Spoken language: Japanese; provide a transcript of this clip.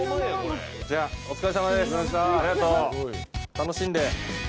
楽しんで。